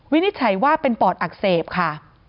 นิจฉัยว่าเป็นปอดอักเสบค่ะ